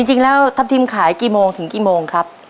จริงแล้วทัพทิมขายกี่โมงถึงกี่โมงครับ